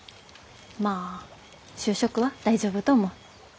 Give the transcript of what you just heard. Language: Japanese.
まあ就職は大丈夫と思う。